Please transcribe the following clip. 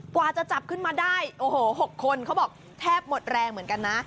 กว่าจะจับขึ้นมาได้โอ้โห๖คนเขาบอกแทบหมดแรงเหมือนกันนะ